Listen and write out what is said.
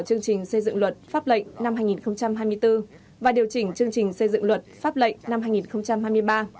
chương trình xây dựng luật pháp lệnh năm hai nghìn hai mươi bốn và điều chỉnh chương trình xây dựng luật pháp lệnh năm hai nghìn hai mươi ba